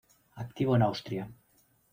Activo en Austria.